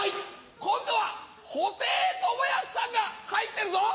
今度は布袋寅泰さんが入ってるぞ。